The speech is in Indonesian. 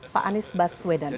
pak anies baswedan